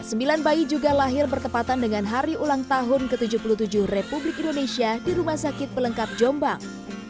sembilan bayi juga lahir bertepatan dengan hari ulang tahun ke tujuh puluh tujuh republik indonesia di rumah sakit pelengkap jombang